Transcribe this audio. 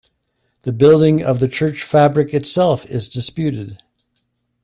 The building of the church fabric itself is disputed.